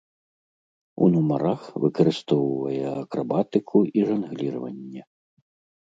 У нумарах выкарыстоўвае акрабатыку і жангліраванне.